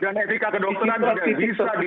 jadi kalau orang yang kemudian sembuh